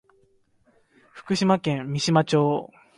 福島県三島町